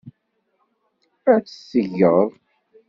Ad tt-tgeḍ.